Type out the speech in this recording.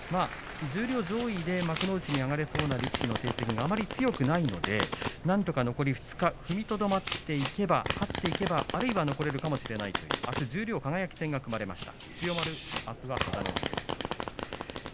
十両上位で幕内に上がれそうな力士の成績があまり強くないのでなんとか残り２日踏みとどまって勝っていけばあるいは残れるかもしれないというあす十両の輝戦が組まれました。